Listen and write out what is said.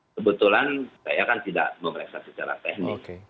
kebetulan saya kan tidak memeriksa secara teknis